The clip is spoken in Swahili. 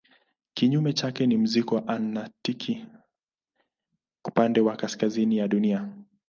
Kinyume chake ni mzingo antaktiki upande wa kaskazini ya Dunia.